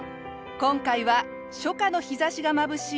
今回は初夏の日差しがまぶしい